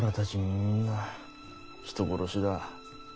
みんな人殺しだ。